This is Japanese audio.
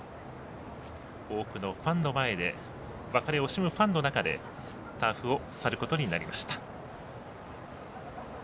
多くのファンの前で別れを惜しむファンの中でターフを去ることになりました。